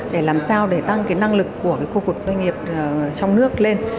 để làm sao để tăng cái năng lực của cái khu vực doanh nghiệp trong nước lên